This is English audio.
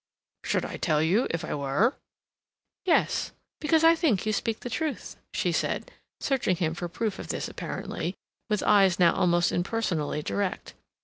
"Should I tell you if I were?" "Yes. Because I think you speak the truth," she said, searching him for proof of this apparently, with eyes now almost impersonally direct.